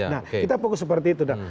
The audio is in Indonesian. nah kita fokus seperti itu